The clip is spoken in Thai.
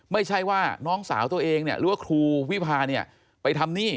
ไม่ใช่ว่าน้องสาวตัวเองเนี่ยหรือว่าครูวิพาเนี่ยไปทำหนี้